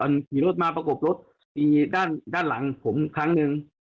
ขี่รถมาประกบรถตีด้านหลังผมครั้งหนึ่ง